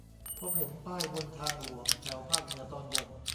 พบเห็นป้ายบนทางหลวง แถวภาคเหนือตอนบน